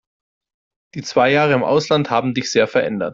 Die zwei Jahre im Ausland haben dich sehr verändert.